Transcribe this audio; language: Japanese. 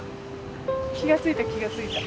気がついた気がついた。